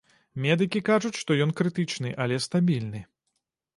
Медыкі кажуць, што ён крытычны, але стабільны.